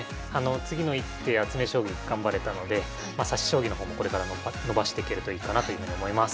次の一手や詰将棋頑張れたのでまあ指し将棋の方もこれから伸ばしていけるといいかなというふうに思います。